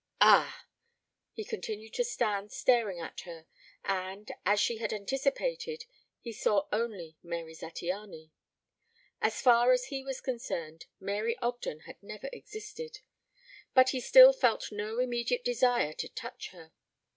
"Ah!" He continued to stand staring at her, and, as he had anticipated, he saw only Mary Zattiany. As far as he was concerned Mary Ogden had never existed. But he still felt no immediate desire to touch her.